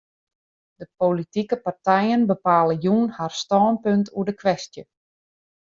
De politike partijen bepale jûn har stânpunt oer de kwestje.